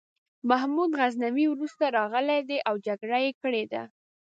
محمود غزنوي وروسته راغلی دی او جګړه یې کړې ده.